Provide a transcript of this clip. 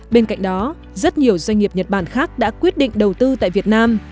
bên cạnh đó rất nhiều doanh nghiệp nhật bản khác đã quyết định đầu tư tại việt nam